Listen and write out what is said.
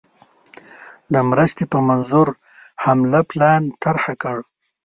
د مرستي په منظور حمله پلان طرح کړ.